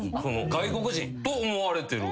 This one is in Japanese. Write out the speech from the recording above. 外国人？と思われてる。